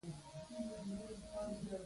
اختلاف یو اصل بولي.